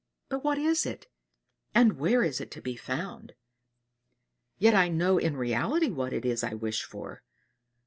But what is it, and where is it to be found? Yet, I know in reality what it is I wish for.